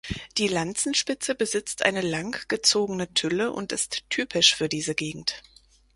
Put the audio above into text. Die Lanzenspitze besitzt eine langgezogene Tülle und ist typisch für diese Gegend.